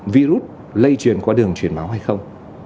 virus lây truyền qua đường truyền máu hay không